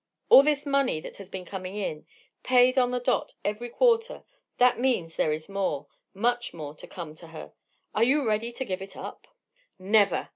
All this money that has been coming in, paid on the dot every quarter—that means there is more, much more to come to her. Are you ready to give it up?" "Never!"